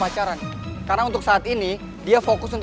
gagal ya gimana dizekan